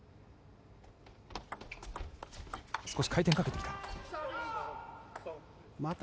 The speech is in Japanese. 少し回転をかけてきた。